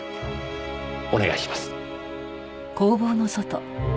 お願いします。